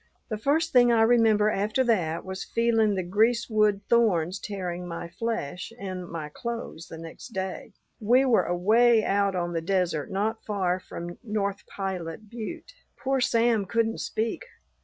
"The first thing I remember after that was feeling the greasewood thorns tearing my flesh and my clothes next day. We were away out on the desert not far from North Pilot butte. Poor Sam couldn't speak.